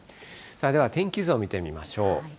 では、天気図を見てみましょう。